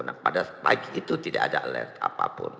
nah pada pagi itu tidak ada alert apapun